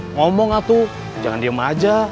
ngomong aku jangan diem aja